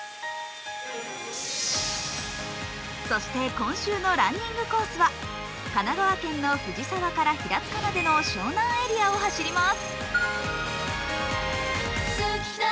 今週のランニングコースは神奈川県の藤沢から平塚までの湘南エリアを走ります。